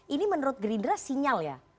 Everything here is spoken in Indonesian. ini menurut gerindra sinyal ya